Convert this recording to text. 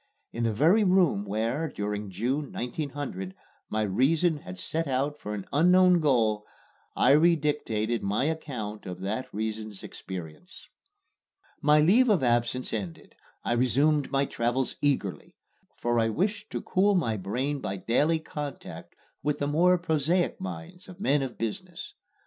In the very room where, during June, 1900, my reason had set out for an unknown goal, I redictated my account of that reason's experiences. My leave of absence ended, I resumed my travels eagerly; for I wished to cool my brain by daily contact with the more prosaic minds of men of business.